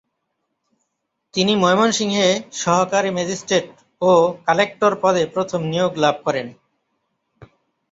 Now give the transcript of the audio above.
তিনি ময়মনসিংহে সহকারী ম্যাজিস্ট্রেট ও কালেক্টর পদে প্রথম নিয়োগ লাভ করেন।